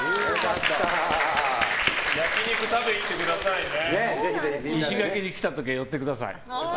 焼き肉食べに行ってくださいね。